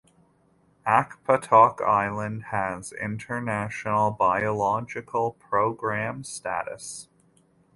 Akpatok Island has International Biological Program status.